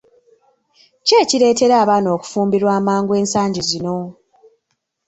Ki ekireetera abaana okufumbirwa amangu ensangi zino?